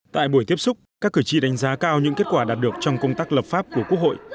tại buổi tiếp xúc các cử tri đánh giá cao những kết quả đạt được trong công tác lập pháp của quốc hội